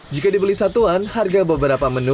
jika dibeli satuan harga beberapa menu